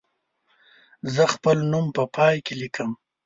زه خپل نوم په پای کې لیکم.